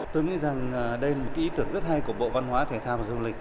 tôi nghĩ rằng đây là một cái ý tưởng rất hay của bộ văn hóa thể tham và dung lịch